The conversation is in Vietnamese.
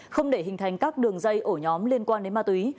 không để hình thành các đường dây ổ nhóm liên quan đến ma túy